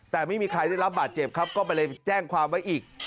แต่ไม่มีใครได้รับบาดเจ็บครับก็ไปเลยแจ้งความไว้อีก